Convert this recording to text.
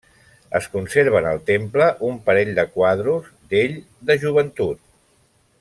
Es conserven al temple un parell de quadros d'ell de joventut.